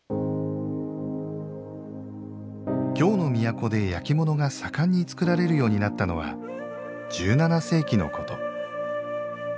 京の都で、焼きものが盛んに作られるようになったのは１７世紀のこと。